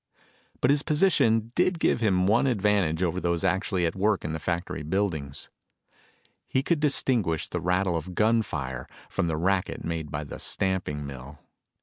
But his position did give him one advantage over those actually at work in the factory buildings he could distinguish the rattle of gun fire from the racket made by the stamping mill.